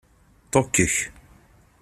Ṭukkek.